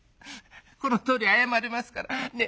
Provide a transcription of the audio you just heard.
このとおり謝りますからねえ